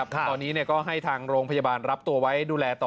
ตอนนี้ก็ให้ทางโรงพยาบาลรับตัวไว้ดูแลต่อ